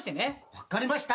分かりました。